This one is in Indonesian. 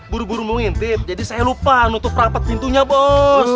buru buru mau ngintip jadi saya lupa nutup rapat pintunya bos